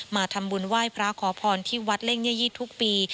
มาทำบุญไหว้พระขอพรที่วัดเล่งเยียยี่ทุกปี